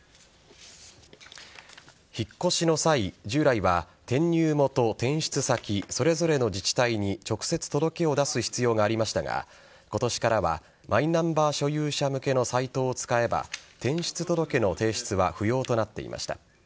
引っ越しの際従来は転入元、転出先それぞれの自治体に直接届けを出す必要がありましたが今年からはマイナンバー所有者向けのサイトを使えば転出届の提出は不要となっていました。